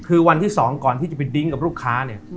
คือวันที่๒ก่อนที่จะไปดิ้งกับลูกค้าเนี่ย